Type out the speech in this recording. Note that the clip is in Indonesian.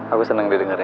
aku seneng didengarnya